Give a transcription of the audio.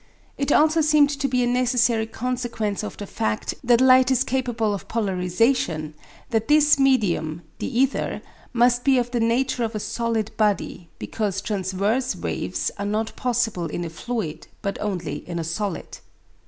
It also seemed to be a necessary consequence of the fact that light is capable of polarisation that this medium, the ether, must be of the nature of a solid body, because transverse waves are not possible in a fluid, but only in a solid.